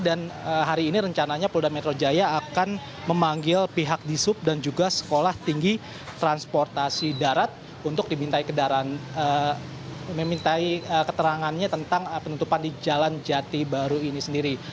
dan hari ini rencananya pol dan metro jaya akan memanggil pihak disub dan juga sekolah tinggi transportasi darat untuk dimintai keterangannya tentang penutupan di jalan jati baru ini sendiri